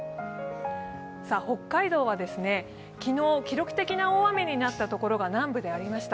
北海道は昨日、記録的な大雨になった所が南部でありました。